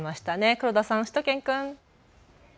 黒田さん、しゅと犬くん。